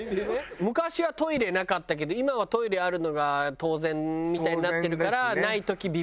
昔はトイレなかったけど今はトイレあるのが当然みたいになってるから。